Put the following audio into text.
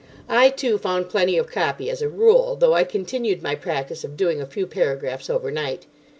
I, too, found plenty of copy as a rule, though I continued my practice of doing a few paragraphs overnight.